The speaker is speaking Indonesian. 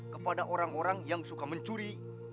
kepada orang orang yang suka mencuri